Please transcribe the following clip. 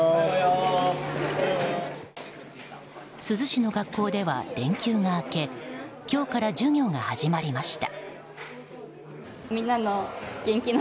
珠洲市の学校では、連休が明け今日から授業が始まりました。